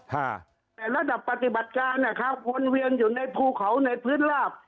ฮะแต่ระดับปฏิบัติการนะครับวนเวียนอยู่ในภูเขาในพื้นลาบ